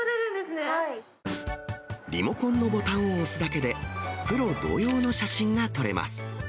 リモコンのボタンを押すだけで、プロ同様の写真が撮れます。